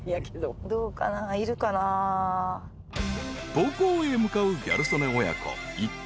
［母校へ向かうギャル曽根親子］